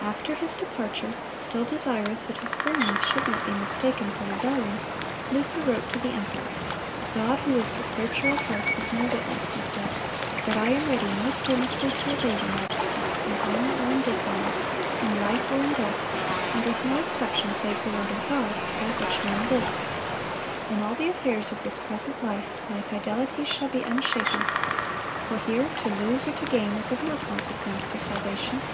(236) After his departure, still desirous that his firmness should not be mistaken for rebellion, Luther wrote to the emperor. "God, who is the searcher of hearts, is my witness," he said, "that I am ready most earnestly to obey your majesty, in honor or in dishonor, in life or in death, and with no exception save the word of God, by which man lives. In all the affairs of this present life, my fidelity shall be unshaken, for here to lose or to gain is of no consequence to salvation.